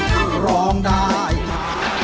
คือร้องได้ให้ล้าน